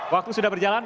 waktu sudah berjalan